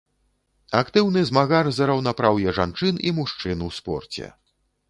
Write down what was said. Актыўны змагар за раўнапраўе жанчын і мужчын у спорце.